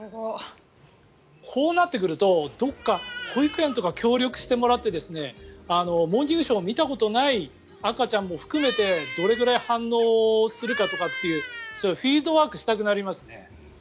こうなってくるとどこか保育園とか協力してもらって「モーニングショー」を見たことない赤ちゃんも含めてどれぐらい反応するかとかっていうそういうフィールドワークしたくなりますね。